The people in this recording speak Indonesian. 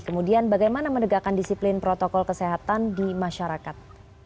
kemudian bagaimana menegakkan disiplin protokol kesehatan di masyarakat